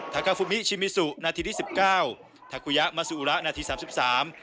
ทากาฟุมิชิมิสุนาทีที่สิบเก้าทากุยะมาซูอุระนาทีสามสิบสาม